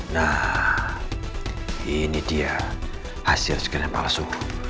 nah ini dia hasil sekian yang palsu